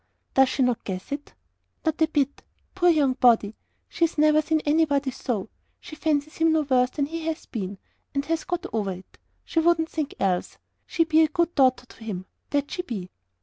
"Does she not guess it?" "Not a bit. Poor young body! she's never seen anybody so. She fancies him no worse than he has been, and has got over it. She WOULDN'T think else. She be a good daughter to him that she be!"